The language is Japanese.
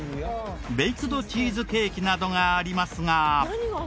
ベイクドチーズケーキなどがありますが。